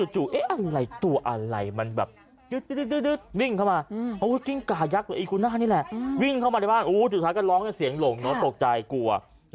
จุดตัวอะไรมันแบบวิ่งเข้ามากิ้งกายักษ์อิโกน่านี่แหละวิ่งเข้ามาในบ้านสุดท้ายก็ร้องเสียงหลงตกใจกลัว